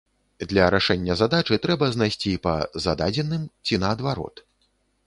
Для рашэння задачы трэба знайсці па зададзеным ці наадварот.